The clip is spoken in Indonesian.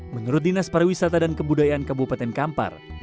menurut dinas pariwisata dan kebudayaan kabupaten kampar